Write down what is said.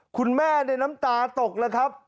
คุณแม่ในน้ำตาตกเลยครับ